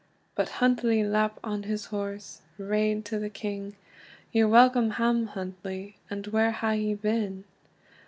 But Huntly lap on his horse, rade to the King: "Ye're welcome hame, Huntly, and whare hae ye been?